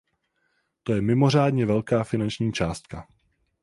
To je mimořádně velká finanční částka.